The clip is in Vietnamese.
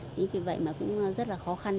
chính vì vậy mà cũng rất là khó khăn